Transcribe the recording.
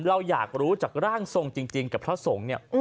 เราอยากรู้จากร่างทรงจริงกับพระสงฆ์เนี่ย